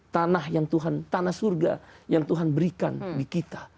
tanah yang tuhan tanah surga yang tuhan berikan di kita